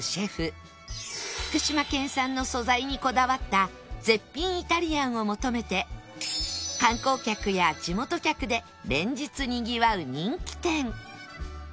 福島県産の素材にこだわった絶品イタリアンを求めて観光客や地元客で連日にぎわう人気店